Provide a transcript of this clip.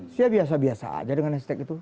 saya biasa biasa aja dengan hashtag itu